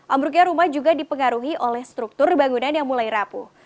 ambruknya rumah juga dipengaruhi oleh struktur bangunan yang mulai rapuh